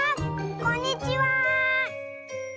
こんにちは。